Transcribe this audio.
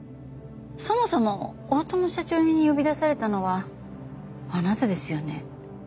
そもそも大友社長に呼び出されたのはあなたですよね？